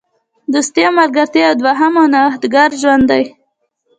دوستي او ملګرتیا یو دوهم او نوښتګر ژوند دی.